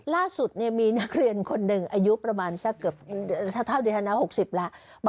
ล่าสุดมีนักเรียนคนหนึ่งอายุประมาณเท่าดิธนา๖๐แล้ว